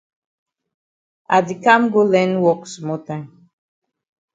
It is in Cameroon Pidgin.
I di kam go learn wok small time.